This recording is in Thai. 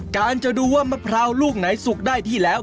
การจะดูว่ามะพร้าวลูกไหนสุกได้ที่แล้ว